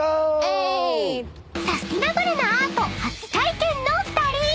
［サスティナブルなアート初体験の２人］